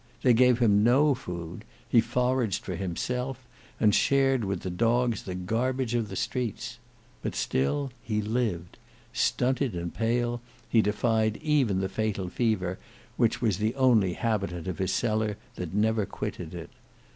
They gave him no food: he foraged for himself, and shared with the dogs the garbage of the streets. But still he lived; stunted and pale, he defied even the fatal fever which was the only habitant of his cellar that never quitted it.